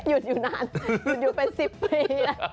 หยุดอยู่นานหยุดอยู่เป็น๑๐ปี